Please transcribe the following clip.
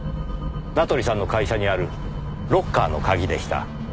名取さんの会社にあるロッカーの鍵でした。